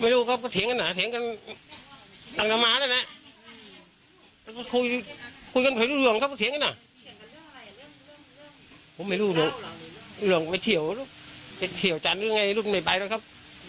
รุ่นไม่รู้คิดชั้นจะบอกอยากขับบ้านแต่รูดออกไปก่อนสถานที่หลังก็ยังควยก็ว่ารู้จะอย่างนี้ก็ไม่ขยับ